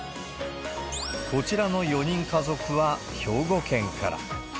こちらの４人家族は兵庫県から。